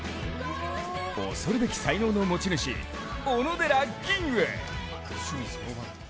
恐るべき才能の持ち主小野寺吟雲。